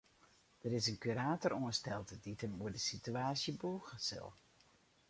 Der is in kurator oansteld dy't him oer de sitewaasje bûge sil.